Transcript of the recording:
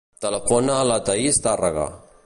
Telefona a la Thaís Tarrega.